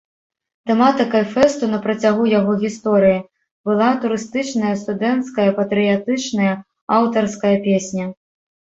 Тэматыкай фэсту на працягу яго гісторыі была турыстычная, студэнцкая, патрыятычная, аўтарская песня.